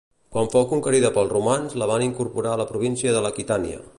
Quan fou conquerida pels romans la van incorporar a la província de l'Aquitània.